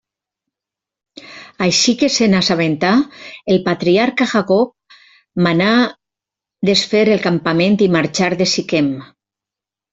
Així que se n'assabentà, el patriarca Jacob manà desfer el campament i marxar de Siquem.